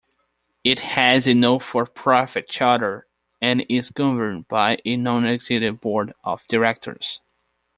It has a not-for-profit charter and is governed by a non-executive board of directors.